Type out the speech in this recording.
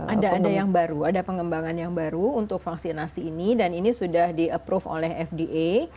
ada yang baru ada pengembangan yang baru untuk vaksinasi ini dan ini sudah di approve oleh fda